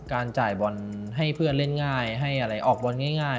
จ่ายบอลให้เพื่อนเล่นง่ายให้อะไรออกบอลง่าย